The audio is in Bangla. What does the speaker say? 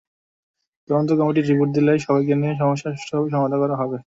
তদন্ত কমিটি রিপোর্ট দিলে সবাইকে নিয়ে সমস্যা সুষ্ঠুভাবে সমাধা করা হবে।